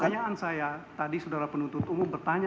pertanyaan saya tadi saudara penuntut umum bertanya